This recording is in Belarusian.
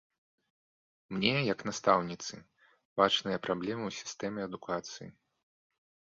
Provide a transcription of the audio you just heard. Мне, як настаўніцы, бачныя праблемы ў сістэме адукацыі.